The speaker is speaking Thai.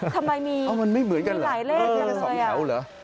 ทำไมมีมีหลายเลขรึอะไร